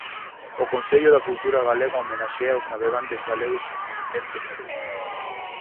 O Consello da Cultura Galega homenaxea os navegantes galegos en "Inventio mundi".